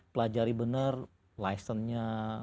pelajari benar licenenya